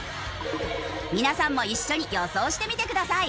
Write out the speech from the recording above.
皆さんも一緒に予想してみてください。